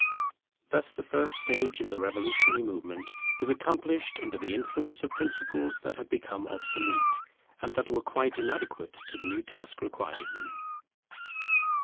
Thus the first stage of the revolutionary movement was accomplished under the influence of principles that had become obsolete, and that were quite inadequate to the new task required of them.